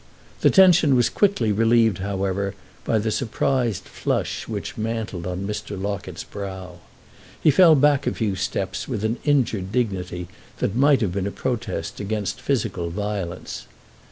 The tension was quickly relieved however by the surprised flush which mantled on Mr. Locket's brow. He fell back a few steps with an injured dignity that might have been a protest against physical violence.